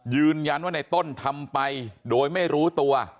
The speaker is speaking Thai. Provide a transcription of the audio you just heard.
ยืนยันว่าในต้นทำไปโดยไม่รู้ตัว